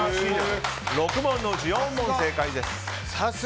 ６問のうち４問正解です。